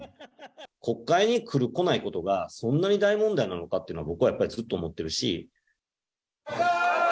国会に来る、来ないことが、そんなに大問題なのかっていうのは、僕はやっぱりずっと思ってるし。